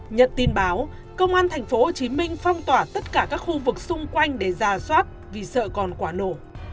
nhận tin báo công an tp hcm phong tỏa tất cả các khu vực xung quanh để ra soát vì sợ còn quả nổ